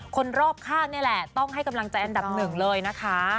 คนรอบข้างนี่แหละต้องให้กำลังใจอันดับหนึ่งเลยนะคะ